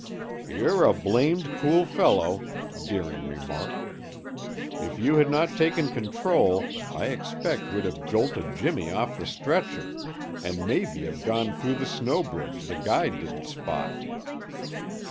"You're a blamed cool fellow," Deering remarked. "If you had not taken control, I expect we'd have jolted Jimmy off the stretcher, and maybe have gone through the snow bridge the guide didn't spot.